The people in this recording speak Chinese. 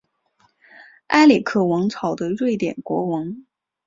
埃里克王朝的瑞典国王。